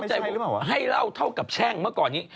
ภายใดให้เวลาภายใดเท่ามันเท่ากับแช่งเมื่อก่อนนี้